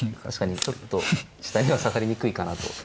確かにちょっと下には下がりにくいかなと。